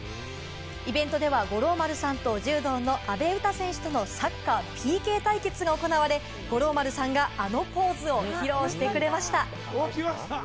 イベントでは五郎丸さんと柔道の阿部詩選手とのサッカーＰＫ対決が行われ、五郎丸さんがあのポーズを披露してくれました。